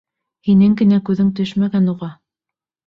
Һинең генә күҙең төшмәгән уға...